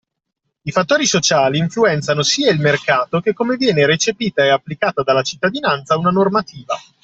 I fattori sociali influenzano sia il mercato che come viene recepita e applicata dalla cittadinanza una normativa